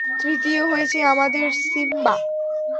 তৃতীয় হয়েছে আমাদের সিম্বা!